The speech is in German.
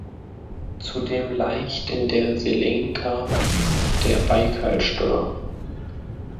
Zudem laicht in der Selenga der Baikal-Stör.